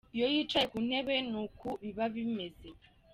Iyo yicaye ku ntebe ni uku biba bimeze.